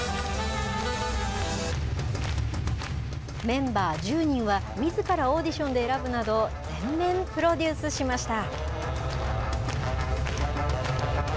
メンバー１０人は、みずからオーディションで選ぶなど、全面プロデュースしました。